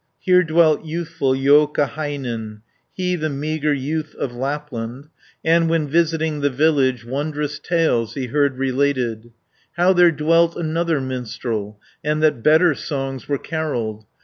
20 Here dwelt youthful Joukahainen, He, the meagre youth of Lapland; And, when visiting the village, Wondrous tales he heard related, How there dwelt another minstrel, And that better songs were carolled.